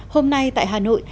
hôm nay tại hà nội